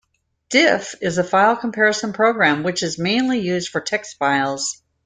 Diff is a file comparison program, which is mainly used for text files.